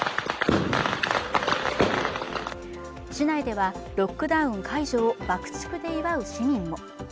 市内ではロックダウン解除を爆竹で祝う市民も。